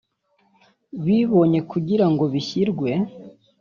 bibonywe kugira ngo bishyirwe